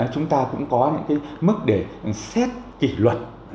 chúng ta cũng có những cái mức để xét kỷ luật